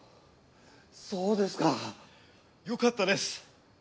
そうですか。よかったです。